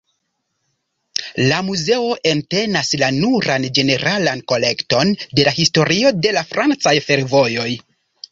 La muzeo entenas la nuran ĝeneralan kolekton de la historio de la francaj fervojoj.